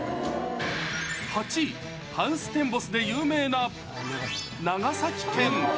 ８位、ハウステンボスで有名な長崎県。